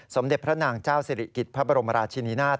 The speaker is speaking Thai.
สมเด็จพระนางเจ้าสิริกิจพระบรมราชินินาศ